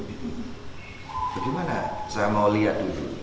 bagaimana saya mau lihat dulu